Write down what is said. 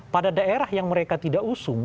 pada daerah yang mereka tidak usung